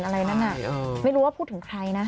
อะไรนั้นไม่รู้ว่าพูดถึงใครนะ